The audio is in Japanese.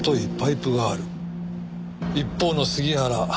一方の杉原。